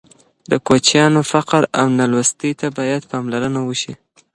د کوچیانو فقر او نالوستي ته باید پاملرنه وشي.